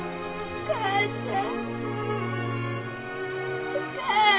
お母ちゃん。